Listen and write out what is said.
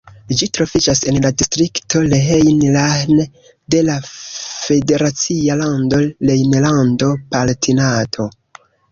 Ĝi troviĝas en la distrikto Rhein-Lahn de la federacia lando Rejnlando-Palatinato.